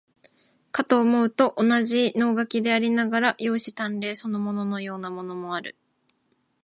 かと思うと、同じ能書でありながら、容姿端麗そのもののようなものもある。